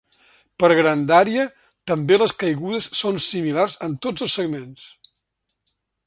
Per grandària, també les caigudes són similars en tots els segments.